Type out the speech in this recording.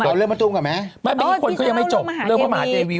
โทรหามาตูมกันไหมไม่เป็นคนก็ยังไม่จบเรื่องพระหาทีวี